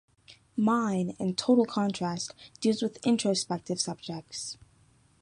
Mine, in total contrast, deals with introspective subjects.